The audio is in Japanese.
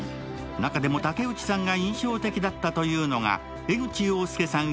中でも竹内さんが印象的だったというのが、江口洋介さん